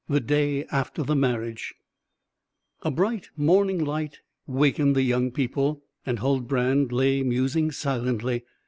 THE DAY AFTER THE MARRIAGE A bright morning light wakened the young people; and Huldbrand lay musing silently.